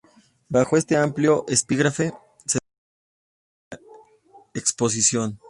Bajo este amplio epígrafe se desarrolló la Exposición.